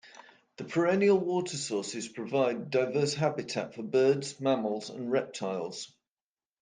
The perennial water sources provide diverse habitat for birds, mammals, and reptiles.